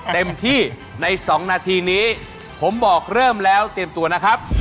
เต็มที่ในสองนาทีนี้ผมบอกเริ่มแล้วเตรียมตัวนะครับ